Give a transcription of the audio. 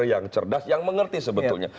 yang cerdas yang mengerti sebetulnya